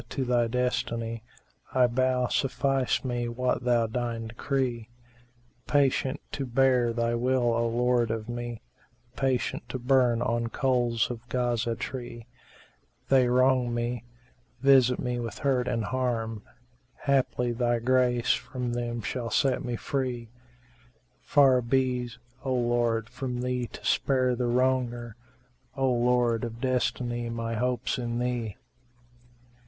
to Thy destiny * I bow, suffice me what Thou deign decree: Patient to bear Thy will, O Lord of me, * Patient to burn on coals of Ghazá tree: They wrong me, visit me with hurt and harm; * Haply Thy grace from them shall set me free: Far be's, O Lord, from thee to spare the wronger * O Lord of Destiny my hope's in Thee!"